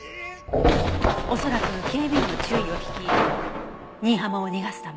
恐らく警備員の注意を引き新浜を逃がすため。